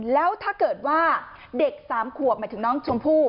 แล้วถ้าเกิดว่าเด็ก๓ขวบหมายถึงน้องชมพู่